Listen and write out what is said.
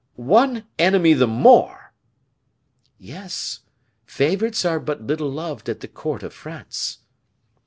"One enemy the more!" "Yes; favorites are but little beloved at the court of France."